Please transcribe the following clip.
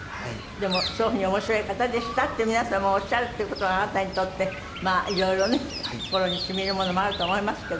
でもそういうふうに「面白い方でした」って皆さんもおっしゃるっていう事があなたにとってまあ色々ね心に染みるものもあると思いますけれども。